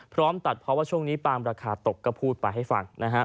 พร้อมตัดเพราะว่าช่วงนี้ปาล์มราคาตกก็พูดไปให้ฟังนะฮะ